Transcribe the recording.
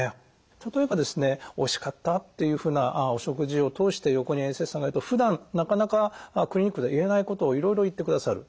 例えばですねおいしかったっていうふうなお食事を通して横に衛生士さんがいるとふだんなかなかクリニックで言えないことをいろいろ言ってくださる。